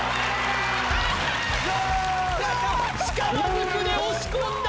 力ずくで押し込んだ！